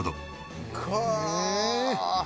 「かあ！」